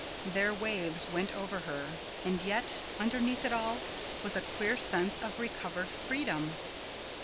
Their waves went over her. And yet, underneath it all, was a queer sense of recovered freedom.